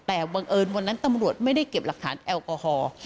แต่บังเอิญวันนั้นตำรวจไม่ได้เก็บหลักฐานแอลกอฮอล์